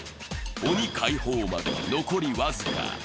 鬼解放まで残り僅か。